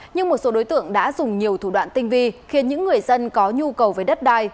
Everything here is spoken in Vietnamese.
nhưng một số đối tượng đã dùng nhiều thủ đoạn tinh vi khiến những người dân có nhu cầu về đất đai